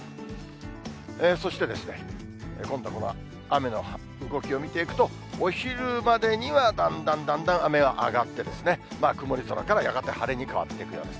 そして、今度はこの雨の動きを見ていくと、お昼までにはだんだんだんだん雨は上がって、曇り空から、やがて晴れに変わっていくようです。